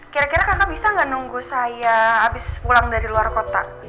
kira kira kakak bisa nggak nunggu saya habis pulang dari luar kota